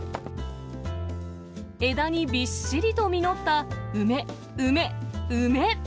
枝にびっしりと実った梅、梅、梅。